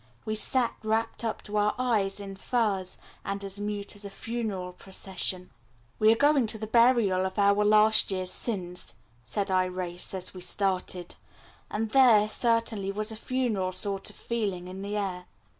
We sat wrapped up to our eyes in furs, and as mute as a funeral procession. "We are going to the burial of our last year's sins," said Irais, as we started; and there certainly was a funereal sort of feeling in the air.